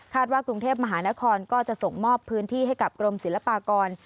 ว่ากรุงเทพมหานครก็จะส่งมอบพื้นที่ให้กับกรมศิลปากร